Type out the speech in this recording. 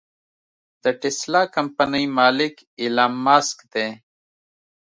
د ټسلا کمپنۍ مالک ايلام مسک دې.